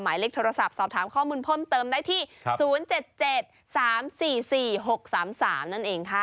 หมายเลขโทรศัพท์สอบถามข้อมูลเพิ่มเติมได้ที่๐๗๗๓๔๔๖๓๓นั่นเองค่ะ